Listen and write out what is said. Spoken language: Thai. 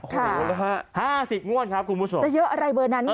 ค่ะจะยกอะไรเบอร์นั้นคะครับคุณผู้ชมค่ะ